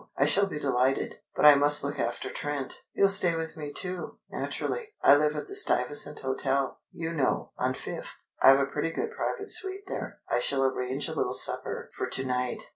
I shall be delighted." "But I must look after Trent." "He'll stay with me too naturally. I live at the Stuyvesant Hotel, you know, on Fifth. I've a pretty good private suite there. I shall arrange a little supper for to night.